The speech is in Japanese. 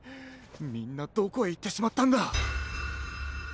みんなどこへいってしまったんだ。